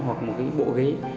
hoặc một cái bộ ghế